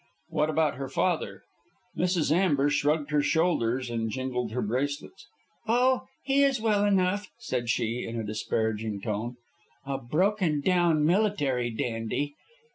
"What about her father?" Mrs. Amber shrugged her shoulders and jingled her bracelets. "Oh! he is well enough," said she, in a disparaging tone. "A broken down military dandy.